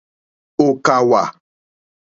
Ò kàwà.